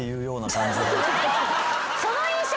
その印象